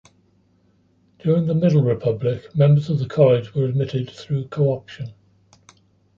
During the Middle Republic, members of the college were admitted through co-option.